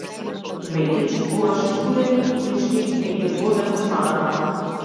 Веќе чувствуваше студени иглички негде-годе по снагата.